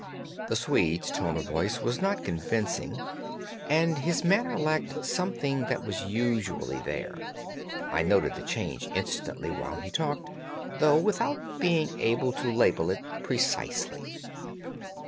The Swede's tone of voice was not convincing, and his manner lacked something that was usually there. I noted the change instantly while he talked, though without being able to label it precisely.